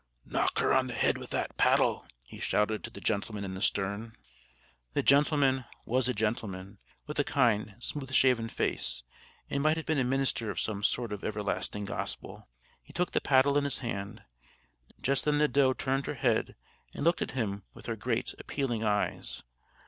"Knock her on the head with that paddle!" he shouted to the gentleman in the stern. The gentleman was a gentleman, with a kind, smooth shaven face, and might have been a minister of some sort of everlasting gospel. He took the paddle in his hand. Just then the doe turned her head, and looked at him with her great, appealing eyes.